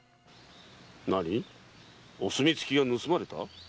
何お墨付きが盗まれた？